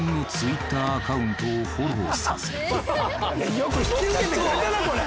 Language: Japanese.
よく引き受けてくれたなこれ。